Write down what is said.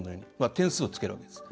点数をつけるわけです。